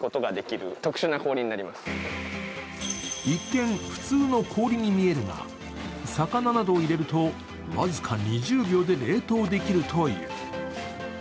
一見、普通の氷に見えるが、魚などを入れると僅か２０秒で冷凍できるという。